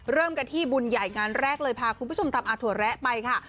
เริ่มกันที่บุญใหญ่งานแรกเลยพาคุณผู้ชมทำอาถั่วแระไปค่ะ